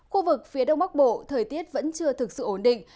khu vực phía đông bắc bộ thời tiết vẫn chưa thực sự ổn định